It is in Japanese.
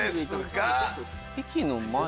駅の前だ。